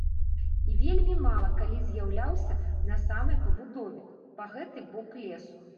І вельмі мала калі з'яўляўся на самай пабудове, па гэты бок лесу.